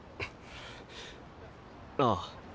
ああ。